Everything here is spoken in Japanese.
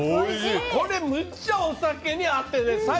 これ、むっちゃお酒に合ってね